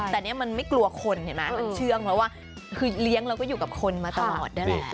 แต่เนี่ยมันไม่กลัวคนเชื่องเพราะว่าคือเลี้ยงเราก็อยู่กับคนมาตลอดได้แหละ